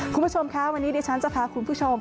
คุณผู้ชมคะวันนี้ดิฉันจะพาคุณผู้ชม